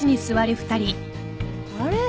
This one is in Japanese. あれ？